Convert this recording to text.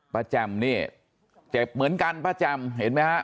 ป้าแจ่มเนี่ยเจ็บเหมือนกันป้าแจ่มเห็นมั้ยฮะ